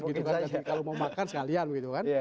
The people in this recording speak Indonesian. kalau mau makan sekalian